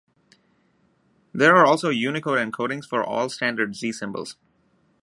There are also Unicode encodings for all standard Z symbols.